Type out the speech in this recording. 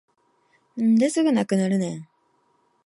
なんですぐなくなるねん